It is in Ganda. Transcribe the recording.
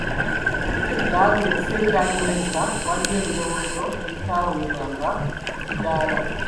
Edda ng'ensi ekyalimu ensa, waaliyo ebirowoozo ebitaweebwanga ku kadaala.